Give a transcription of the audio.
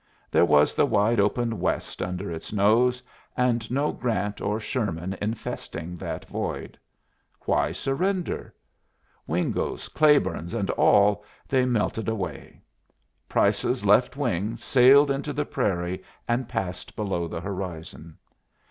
There was the wide open West under its nose, and no Grant or Sherman infesting that void. Why surrender? Wingos, Claibornes, and all, they melted away. Price's Left Wing sailed into the prairie and passed below the horizon.